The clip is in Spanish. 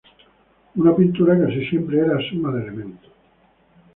Una pintura casi siempre era suma de elementos.